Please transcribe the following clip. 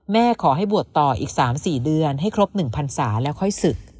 แม่ขอให้บวชต่ออีกสามสี่เดือนให้ครบหนึ่งพันศาแล้วค่อยศึก